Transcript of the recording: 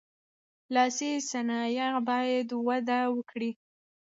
لاسي صنایع باید وده وکړي.